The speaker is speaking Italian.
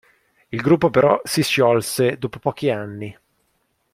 Il gruppo però si sciolse dopo pochi anni.